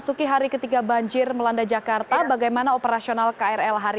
sekitar rawa buaya kebetulan kami juga sedang melakukan pengajian